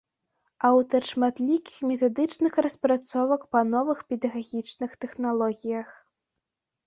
Аўтар шматлікіх метадычных распрацовак па новых педагагічных тэхналогіях.